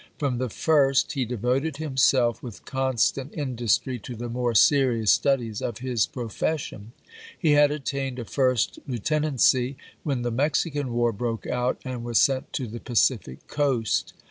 From the first he devoted himself with constant industry to the more serious studies of his profession. He had attained a first lieutenancy when the Mexican war broke out, and was sent to the Pacific coast.